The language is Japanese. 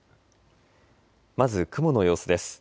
まず雲の様子です。